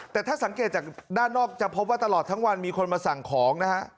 แต่ถ้าสังเกตจากด้านนอกจะพบว่าตลอดทั้งวันมีคนมาสั่งของนะฮะ